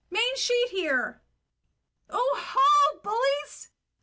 Main sheet here! Oh, haul, bullies!